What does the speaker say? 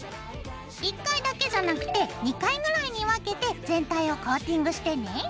１回だけじゃなくて２回ぐらいに分けて全体をコーティングしてね。